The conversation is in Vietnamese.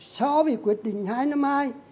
so với quyết định hai năm mai